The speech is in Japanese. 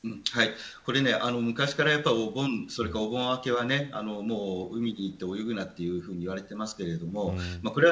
昔からお盆、それからお盆明けは海に行って泳ぐなというふうに言われています。